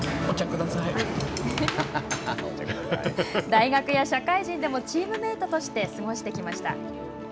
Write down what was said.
大学や社会人でもチームメートとして過ごしてきました。